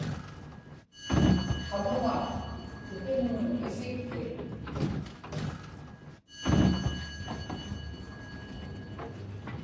qamuŋa tupimnun isikki